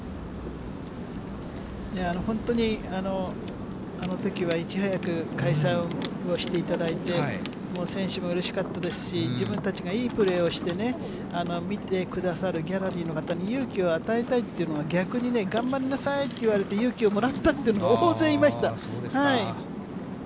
本当に、あのときは、いち早く開催をしていただいて、もう選手もうれしかったですし、自分たちがいいプレーをしてね、見てくださるギャラリーの方に勇気を与えたいっていうのが、逆にね、頑張りなさいって言われて、勇気をもらったっていうのが大勢いました。